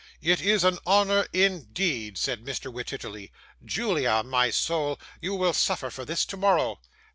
'It is an honour, indeed!' said Mr. Wititterly. 'Julia, my soul, you will suffer for this tomorrow.